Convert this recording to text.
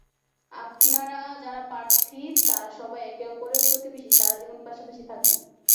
আপনারা যাঁরা প্রার্থী, তাঁরা সবাই একে অপরের প্রতিবেশী, সারা জীবন পাশাপাশি থাকবেন।